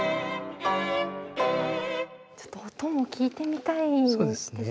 ちょっと音も聴いてみたいんですけれども。